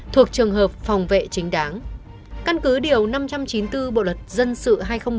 thuộc trường hợp phòng vệ chính đáng căn cứ điều năm trăm chín mươi bốn bộ luật dân sự hai nghìn một mươi năm